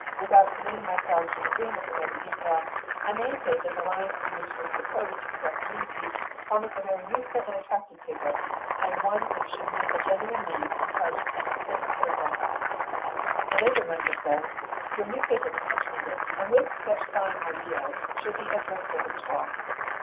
Without committing myself to agreement with every detail, I may say that the lines on which it is proposed to conduct Unity promise a very useful and attractive paper, and one which should meet a genuine need and touch an extensive circle.' The labour member says, 'Your new paper is much needed, and with such fine ideals should be of great service to all.